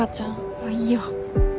もういいよ。